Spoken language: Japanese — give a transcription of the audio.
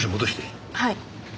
はい。